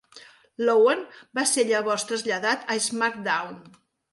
Loewen va ser llavors traslladat a SmackDown!